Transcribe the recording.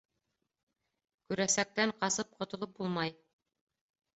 Күрәсәктән ҡасып ҡотолоп булмай.